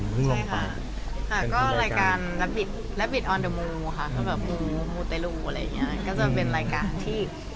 มันก็จะเป็นรายการที่